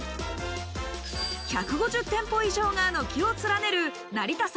１５０店舗以上が軒を連ねる成田山